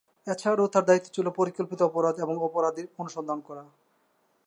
এছাড়াও তার দায়িত্ব ছিল পরিকল্পিত অপরাধ এবং অপরাধীর অনুসন্ধান করা।